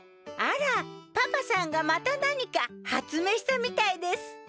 あらパパさんがまた何か発明したみたいです